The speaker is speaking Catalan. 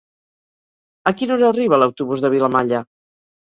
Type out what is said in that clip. A quina hora arriba l'autobús de Vilamalla?